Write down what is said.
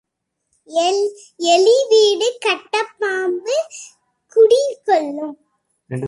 எலி வீடு கட்டப் பாம்பு குடி கொள்ளும்.